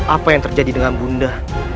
apa yang terjadi dengan bunda